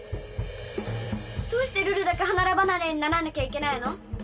どうしてルルだけ離れ離れにならなきゃいけないの？